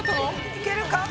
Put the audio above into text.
いけるか？